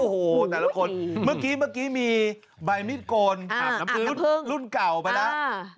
โอ้โฮแต่ละคนเมื่อกี้มีบ่ายมิดโกนรุ่นเก่าไปแล้ว